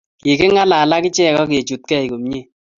Kiking'alal akichek akechutkei komie